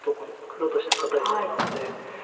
黒としては堅いとこなので。